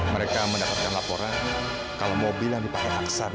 mereka mendapatkan laporan kalau mobil yang dipakai aksan